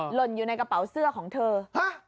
หล่นอยู่ในกระเป๋าเสื้อของเธอฮะ